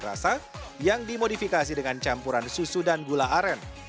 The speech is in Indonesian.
pertama kopi terasa yang dimodifikasi dengan campuran susu dan gula aren